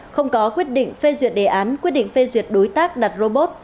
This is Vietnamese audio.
không có quyết định phê duyệt đề án quyết định phê duyệt đối tác đặt robot